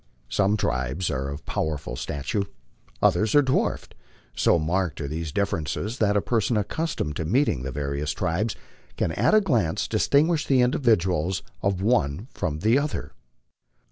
Some tribes are of powerful stature, others are dwarfed. So marked are these differences that a person accustomed to meeting the various tribes can at a glance distinguish the individuals of one from the other.